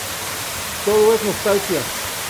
Todo es nostalgia.